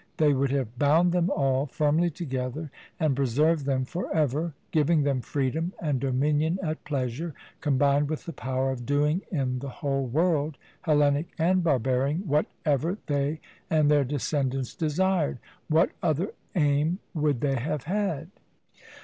They would have bound them all firmly together and preserved them for ever, giving them freedom and dominion at pleasure, combined with the power of doing in the whole world, Hellenic and barbarian, whatever they and their descendants desired. What other aim would they have had?